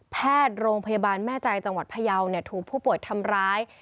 แพทย์โรงพยาบาลแม่ใจจังหวัดพยาวถูกผู้ป่วยทำร้าย